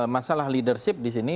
masalah leadership disini